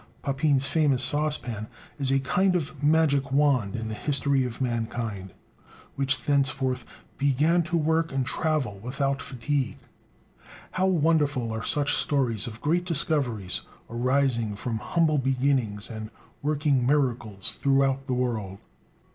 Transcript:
Papin's famous saucepan is a kind of magic wand in the history of mankind, which thenceforth began to work and travel without fatigue. How wonderful are such stories of great discoveries arising from humble beginnings, and working miracles throughout the world!